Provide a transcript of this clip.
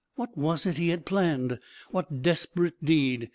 What was it he had planned? What desperate deed